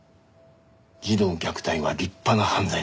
児童虐待は立派な犯罪だ。